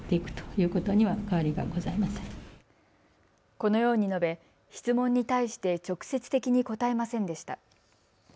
このように述べ質問に対して直接的に答えませんでした。